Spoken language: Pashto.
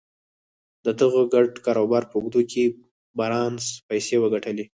د دغه ګډ کاروبار په اوږدو کې بارنس پيسې وګټلې.